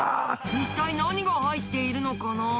一体何が入っているのかな？